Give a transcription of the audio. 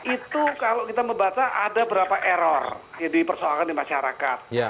itu kalau kita membaca ada berapa error yang dipersoalkan di masyarakat